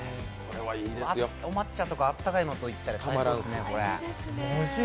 お抹茶とかあったかいのといったらたまらないですね。